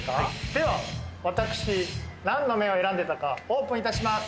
では私何の目を選んでたかオープンいたします